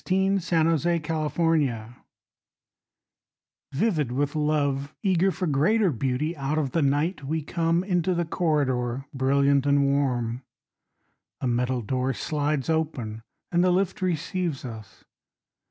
FROM THE WOOLWORTH TOWER VIVID with love, eager for greater beauty Out of the night we come Into the corridor, brilliant and warm. A metal door slides open, And the lift receives us.